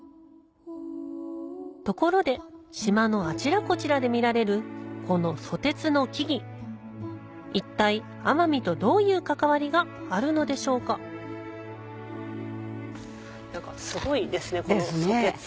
ところで島のあちらこちらで見られるこのソテツの木々一体奄美とどういう関わりがあるのでしょうかすごいですねこのソテツ。